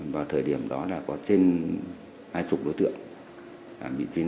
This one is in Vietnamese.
vào thời điểm đó là có trên hai mươi đối tượng bị phi nã đang ở trên địa bàn